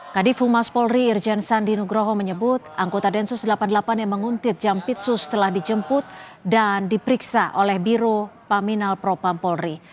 kadifumas polri irjen sandinugroho menyebut anggota densus delapan puluh delapan yang menguntit jampitsus telah dijemput dan diperiksa oleh biro paminal propampolri